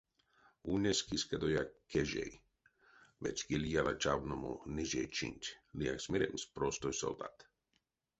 Ульнесь кискадояк кежей, вечкиль яла чавномо нижней чинт, лиякс меремс, простой солдатт.